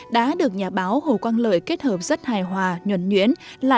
đã được nhà báo hồ quang lợi kết hợp rất hài hòa nhuẩn nhuyễn